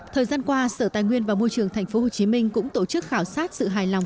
thời gian qua sở tài nguyên và môi trường tp hcm cũng tổ chức khảo sát sự hài lòng